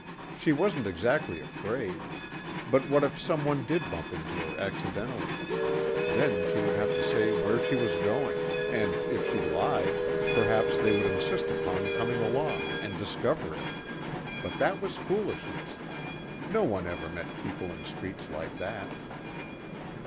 She wasn't exactly afraid. But what if someone did bump into her accidentally? Then she would have to say where she was going and, if she lied, perhaps they would insist upon coming along and discover it. But that was foolishness. One never met people in streets like that.